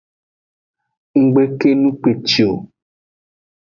Ng gbe kenu kpeci o.